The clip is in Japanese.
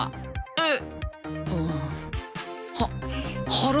えっ！